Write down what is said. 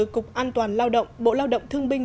cục an toàn lao động bộ lao động thương binh